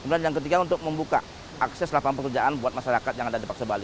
dan yang ketiga untuk membuka akses lapangan pekerjaan buat masyarakat yang ada di paksebali ini